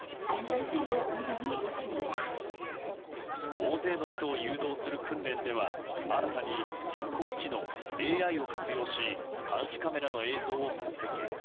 大勢の人を誘導する訓練では新たに人工知能・ＡＩを活用し監視カメラの映像を分析。